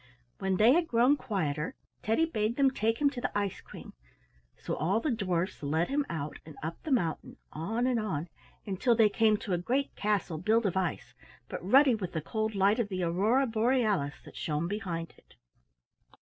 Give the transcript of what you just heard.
When they had grown quieter Teddy bade them take him to the Ice Queen, so all the dwarfs led him out, and up the mountain, on and on, until they came to a great castle built of ice, but ruddy with the cold light of the aurora borealis that shone behind it.